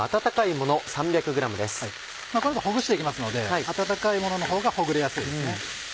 この後ほぐして行きますので温かいもののほうがほぐれやすいですね。